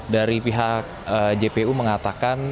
dari pihak jpu mengatakan